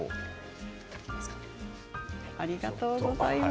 ありがとうございます。